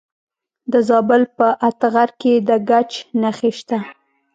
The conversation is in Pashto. د زابل په اتغر کې د ګچ نښې شته.